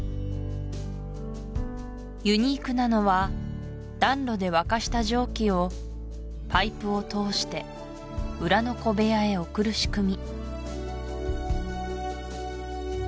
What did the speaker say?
ユニークなのは暖炉で沸かした蒸気をパイプを通して裏の小部屋へ送る仕組み